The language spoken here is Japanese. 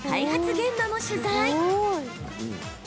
現場も取材。